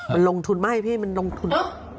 มันลงทุนไม่พี่มันลงทุน